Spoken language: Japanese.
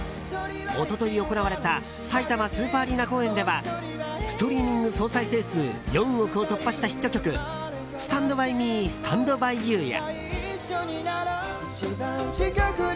一昨日行われたさいたまスーパーアリーナ公演ではストリーミング総再生数４億を突破したヒット曲「Ｓｔａｎｄｂｙｍｅ，Ｓｔａｎｄｂｙｙｏｕ．」や。